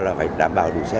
là phải đảm bảo đủ xe